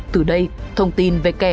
từ đây thông tin về kẻ